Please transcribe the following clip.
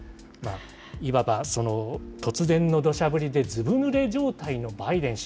いわば突然のどしゃ降りでずぶぬれ状態のバイデン氏。